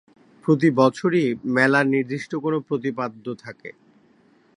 প্রতি বছরই মেলা নির্দিষ্ট কোনো প্রতিপাদ্য থাকে।